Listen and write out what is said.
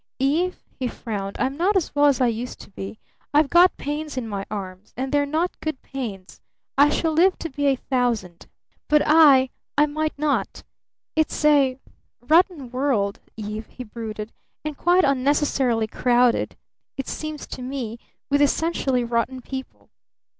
"Eve," he frowned, "I'm not as well as I used to be! I've got pains in my arms! And they're not good pains! I shall live to be a thousand! But I I might not! It's a rotten world, Eve," he brooded, "and quite unnecessarily crowded it seems to me with essentially rotten people.